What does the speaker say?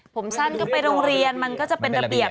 ผมสั้นก็ไปโรงเรียนมันก็จะเป็นระเบียบ